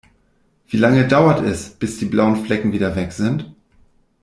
Wie lange dauert es, bis die blauen Flecken wieder weg sind?